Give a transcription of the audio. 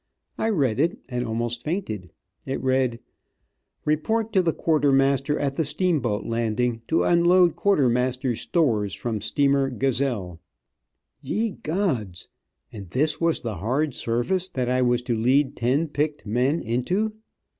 I read it, and almost fainted, It read "Report to the quartermaster, at the steamboat landing, to unload quartermaster's stores from steamer Gazelle." Ye gods! And this was the hard service that I was to lead ten picked men into.